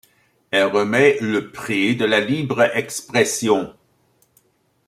Elle remet le Prix de la libre expression.